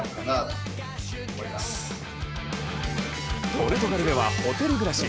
ポルトガルではホテル暮らし。